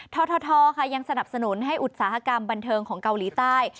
แล้วท้อท้อท้อค่ะยังสนับสนุนให้อุตสาหกรรมบันเทิงของเกาหลีใต้